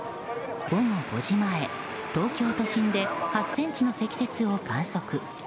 午後５時前、東京都心で８ｃｍの積雪を観測。